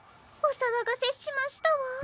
おさわがせしましたわ。